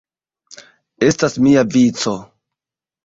Estas mia vico!